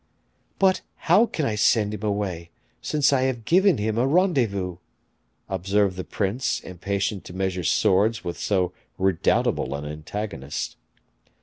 "But how can I send him away, since I have given him a rendezvous?" observed the prince, impatient to measure swords with so redoubtable an antagonist.